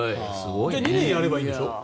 じゃあ２年やればいいんでしょ。